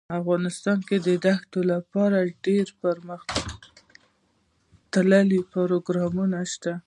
افغانستان کې د ښتې لپاره دپرمختیا پروګرامونه شته.